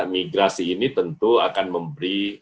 migrasi ini tentu akan memberi